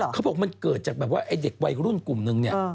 เขาบอกมันเกิดจากแบบว่าไอ้เด็กวัยรุ่นกลุ่มนึงเนี่ย